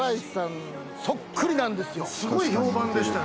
すごい評判でしたよね。